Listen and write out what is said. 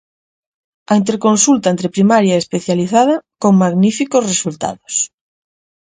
A interconsulta entre primaria e especializada, con magníficos resultados.